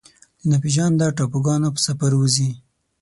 د ناپیژاندو ټاپوګانو په سفر وځي